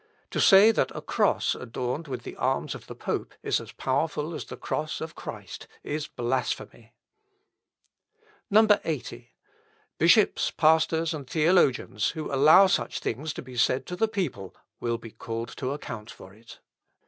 "To say that a cross adorned with the arms of the pope is as powerful as the cross of Christ is blasphemy. 80. "Bishops, pastors, and theologians, who allow such things to be said to the people, will be called to account for it.